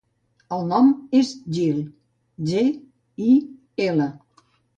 El nom és Gil: ge, i, ela.